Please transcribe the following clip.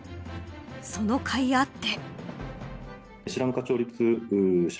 そのかいあって。